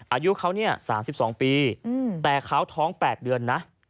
อายุเขาเนี่ย๓๒ปีแต่เขาท้อง๘เดือนนะ